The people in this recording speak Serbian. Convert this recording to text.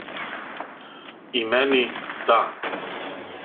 И мени, да.